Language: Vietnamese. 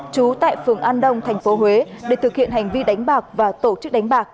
trú tại phường an đông tp huế để thực hiện hành vi đánh bạc và tổ chức đánh bạc